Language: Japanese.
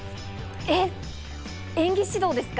演技指導ですか？